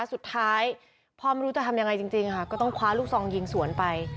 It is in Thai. สุดท้ายพ่อไม่รู้จะทำยังไงจริงค่ะก็ต้องคว้าลูกซองยิงสวนไป